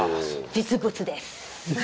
実物です。